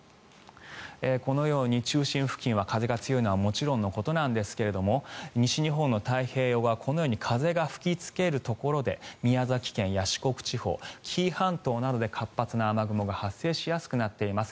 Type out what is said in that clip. このように中心付近は風が強いのはもちろんなんですが西日本の太平洋側、このように風が吹きつけるところで宮崎県や四国地方紀伊半島などで、活発な雨雲が発生しやすくなっています。